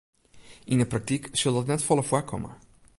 Yn 'e praktyk sil dat net folle foarkomme.